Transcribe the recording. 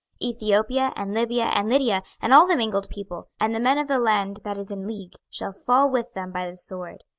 26:030:005 Ethiopia, and Libya, and Lydia, and all the mingled people, and Chub, and the men of the land that is in league, shall fall with them by the sword.